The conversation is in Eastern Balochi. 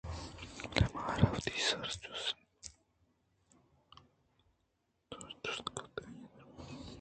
بلئے مارءَ وتی سرچست کُتءُ آئیءَرا ڈنگے جَت